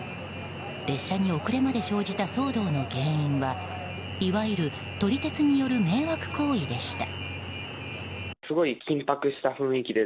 列車に遅れまで生じた騒動の原因はいわゆる撮り鉄による迷惑行為でした。